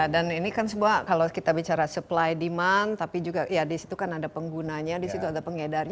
dan ini kan semua kalau kita bicara supply demand tapi juga di situ kan ada penggunanya di situ ada pengedarnya